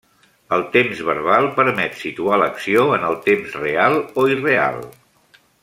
El temps verbal permet situar l'acció en el temps real o irreal.